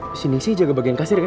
di sini sih jaga bagian kasir kan